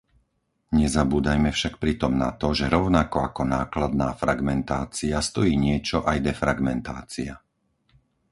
Nezabúdajme však pritom na to, že rovnako ako nákladná fragmentácia, stojí niečo aj defragmentácia.